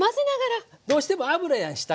どうしても油やん下が。